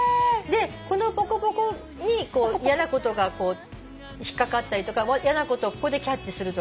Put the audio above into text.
でこのポコポコに嫌なことが引っ掛かったりとか嫌なことをここでキャッチする。